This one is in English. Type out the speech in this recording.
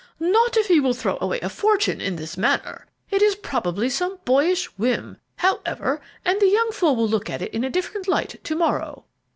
"Not if he will throw away a fortune in this manner; it is probably some boyish whim, however and the young fool will look at it in a different light to morrow."